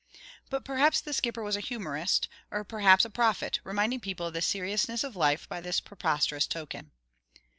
But perhaps the skipper was a humorist: or perhaps a prophet, reminding people of the seriousness of life by this preposterous token.